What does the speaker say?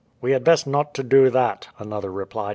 "We had best not to do that," another replied.